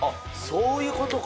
そういうことか。